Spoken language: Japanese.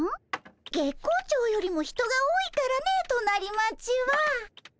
月光町よりも人が多いからね隣町は。